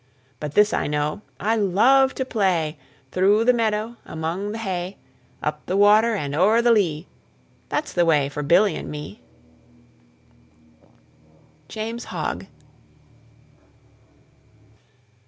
But this I know, I love to play, Through the meadow, among the hay; Up the water and o'er the lea, That's the way for Billy and me. JAMES HOGG.